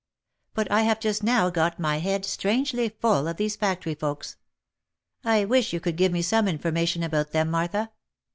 But I have just now'got my head strangely full of these factory folks. I wish you could give me some information about them, Martha."